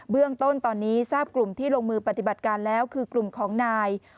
เรื่องต้นตอนนี้ทราบกลุ่มที่ลงมือปฏิบัติการแล้วคือกลุ่มของนาย